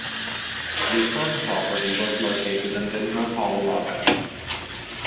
The first property was located in Denver, Colorado.